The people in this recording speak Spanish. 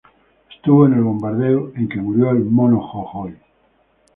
Estuvo en el bombardeo en que murió el Mono Jojoy.